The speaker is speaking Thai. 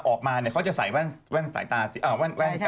ออกมาเนี่ยเขาจะใส่แว่นกังแหนสีดำ